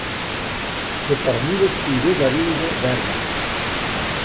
De formules yn dizze rige werjaan.